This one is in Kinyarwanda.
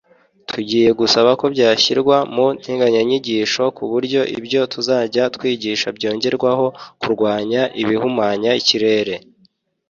tugiye gusaba ko byashyirwa mu nteganyanyigisho ku buryo ibyo tuzajya twigisha byongerwaho kurwanya ibihumanya ikirere”